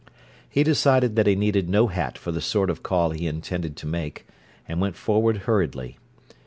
He decided that he needed no hat for the sort of call he intended to make, and went forward hurriedly.